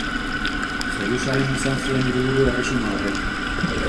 Jerusalem izan zuen hiriburu erresuma horrek.